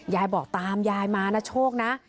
ยายบอกตามยายมานะโชคนะ